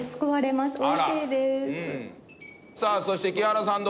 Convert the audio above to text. さあそして木原さん